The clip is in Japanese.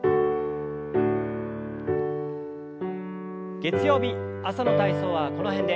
月曜日朝の体操はこの辺で。